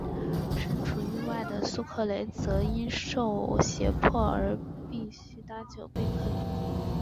身处狱外的苏克雷则因受胁迫而必须搭救贝里克。